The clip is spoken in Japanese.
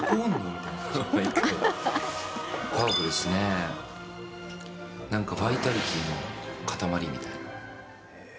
パワフルですね、なんかバイタリティーの塊みたいな。